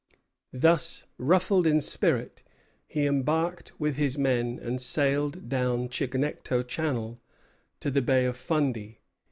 Thus ruffled in spirit, he embarked with his men and sailed down Chignecto Channel to the Bay of Fundy.